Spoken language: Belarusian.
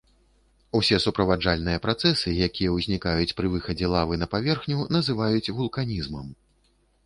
Усе суправаджальныя працэсы, якія ўзнікаюць пры выхадзе лавы на паверхню, называюць вулканізмам.